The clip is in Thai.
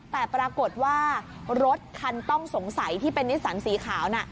แต่ปรากฏว่ารถคันต้องสงสัยที่เป็นนิสสันสีขาวน่ะ